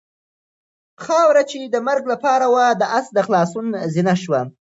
خاوره چې د مرګ لپاره وه د آس د خلاصون زینه شوه.